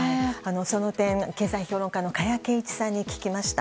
その点経済評論家の加谷珪一さんに聞きました。